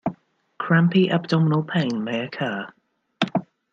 Crampy abdominal pain may occur.